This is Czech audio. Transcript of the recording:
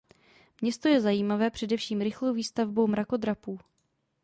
Město je zajímavé především rychlou výstavbou mrakodrapů.